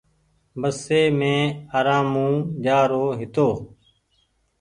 بسي مين ارآمون جآرو هيتو۔